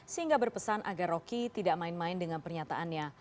sehingga berpesan agar roky tidak main main dengan pernyataannya